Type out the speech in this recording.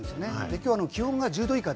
今日は気温が１０度以下。